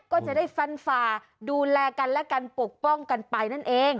ก็จะได้ฟันฝ่าดูแลกันและกันปกป้องกันไปนั่นเอง